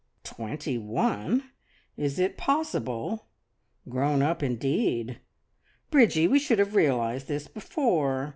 "Twenty one? Is it possible? Grown up, indeed! Bridgie, we should have realised this before.